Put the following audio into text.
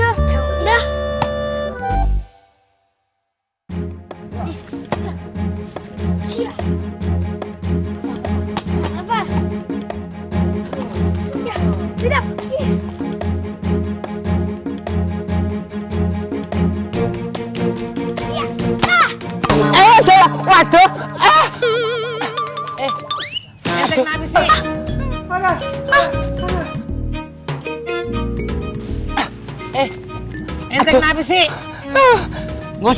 ram disini aja